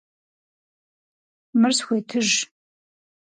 Мыр схуетыж!